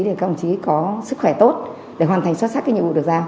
để các đồng chí có sức khỏe tốt để hoàn thành xuất sắc cái nhiệm vụ được ra